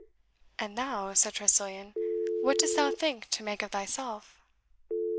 "And thou," said Tressilian, "what dost thou think to make of thyself?"